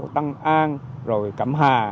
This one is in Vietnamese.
tăng an rồi cẩm hà